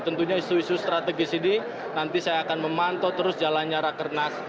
tentunya isu isu strategis ini nanti saya akan memantau terus jalannya rakernas